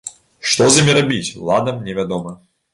Што з імі рабіць, уладам не вядома.